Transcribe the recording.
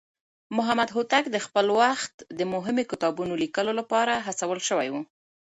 محمد هوتک د خپل وخت د مهمو کتابونو ليکلو لپاره هڅول شوی و.